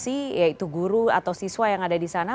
yaitu guru atau siswa yang ada di sana